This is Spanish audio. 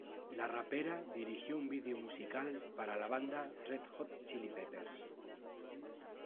La rapera dirigió un video musical para la banda Red Hot Chili Peppers.